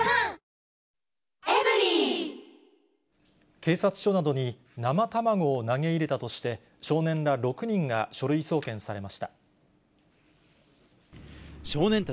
警察署などに生卵を投げ入れたとして、少年ら６人が書類送検されました。